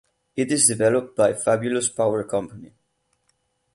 It is developed by Fabulous Power Co.